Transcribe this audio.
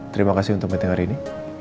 terima kasih untuk menteng hari ini